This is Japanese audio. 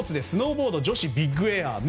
スノーボード女子ビッグエア。